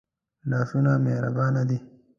لاسونه مهربان دي